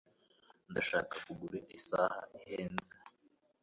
Ndashaka kugura isaha ihenze.